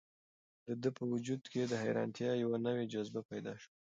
د ده په وجود کې د حیرانتیا یوه نوې جذبه پیدا شوه.